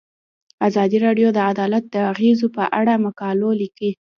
ازادي راډیو د عدالت د اغیزو په اړه مقالو لیکلي.